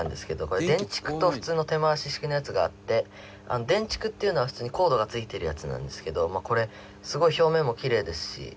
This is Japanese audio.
これ電蓄と普通の手回し式のやつがあって電蓄っていうのは普通にコードがついてるやつなんですけどこれすごい表面もキレイですし。